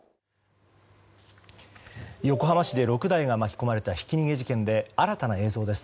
横浜市で６台が巻き込まれたひき逃げ事件で新たな映像です。